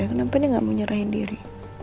kenapa dia gak mau nyerahin diri